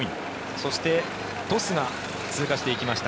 そしてトスが通過していきました。